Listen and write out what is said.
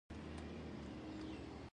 يره دا ستا د کيميا استاد مې لور ناکامه کړې.